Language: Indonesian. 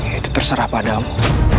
itu terserah padamu